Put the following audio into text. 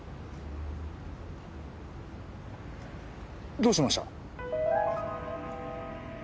どうしました？